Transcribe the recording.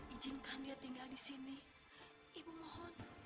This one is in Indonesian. ijinkan dia tinggal disini ibu mohon